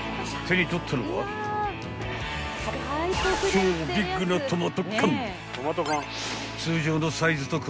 ［超ビッグなトマト缶］